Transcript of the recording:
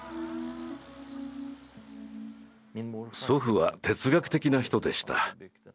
祖父は哲学的な人でした。